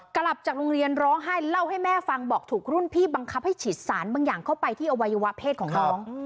กลับจากโรงเรียนร้องไห้เล่าให้แม่ฟังบอกถูกรุ่นพี่บังคับให้ฉีดสารบางอย่างเข้าไปที่อวัยวะเพศของน้อง